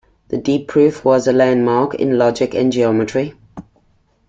This deep proof was a landmark in logic and geometry.